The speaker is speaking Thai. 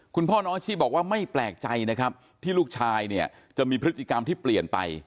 คุณพ่อน้องอาชีพบอกว่าไม่แปลกใจนะครับที่ลูกชายเนี่ยจะมีพฤติกรรมที่เปลี่ยนไป